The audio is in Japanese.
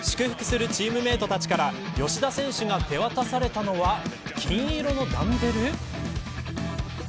祝福するチームメートたちから吉田選手が手渡されたのは金色のダンベル。